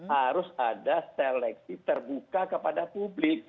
harus ada seleksi terbuka kepada publik